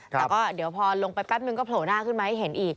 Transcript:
แต่ก็เดี๋ยวพอลงไปแป๊บนึงก็โผล่หน้าขึ้นมาให้เห็นอีก